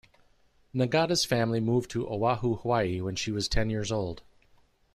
Nagata's family moved to Oahu, Hawai'i when she was ten years old.